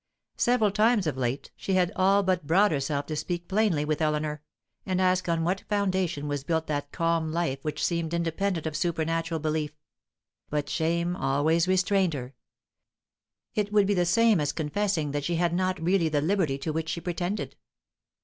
Several times of late she had all but brought herself to speak plainly with Eleanor, and ask on what foundation was built that calm life which seemed independent of supernatural belief; but shame always restrained her. It would be the same as confessing that she had not really the liberty to which she pretended.